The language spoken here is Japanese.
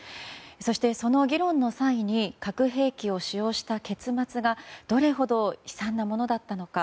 そして、その議論の際に核兵器を使用した結末がどれほど悲惨なものだったのか。